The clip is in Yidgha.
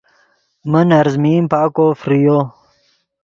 من ارزمین پاکو فریو